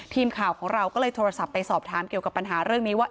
ทีมข่าวของเราก็เลยโทรศัพท์ไปสอบถามเกี่ยวกับปัญหาเรื่องนี้ว่า